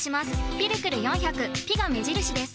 「ピルクル４００」「ピ」が目印です。